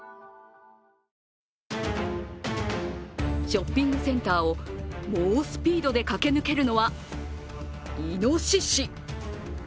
ショッピングセンターを猛スピードで駆け抜けるのは、いのしし。